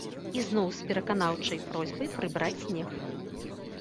І зноў з пераканаўчай просьбай прыбраць снег.